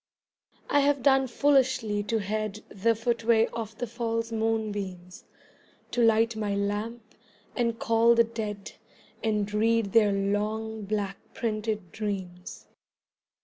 I have done foolishly to head The footway of the false moonbeams, To light my lamp and call the dead And read their long black printed dreams.